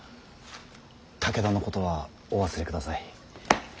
武田のことはお忘れください。